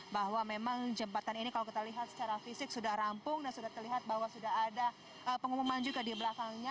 bahwa memang jembatan ini kalau kita lihat secara fisik sudah rampung dan sudah terlihat bahwa sudah ada pengumuman juga di belakangnya